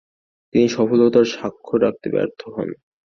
তিনি সফলতার স্বাক্ষর রাখতে ব্যর্থ হন।